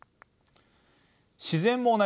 自然も同じです。